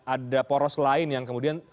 ada poros lain yang kemudian